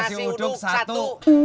nasi uduk satu